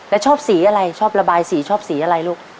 แล้วชอบสีอะไรชอบระบายสีชอบสีอะไรลูก